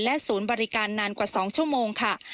ศูนย์บริการนานกว่า๒ชั่วโมงค่ะ